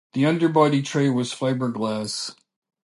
The underbody tray was fiberglass.